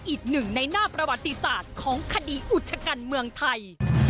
อีกหนึ่งในหน้าประวัติศาสตร์ของคดีอุชกันเมืองไทย